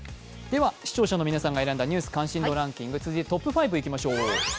視聴者の皆さんが選んだ「ニュース関心度ランキング」続いてトップ５いきましょう。